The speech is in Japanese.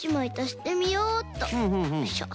よいしょ。